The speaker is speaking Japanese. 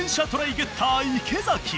ゲッター池崎。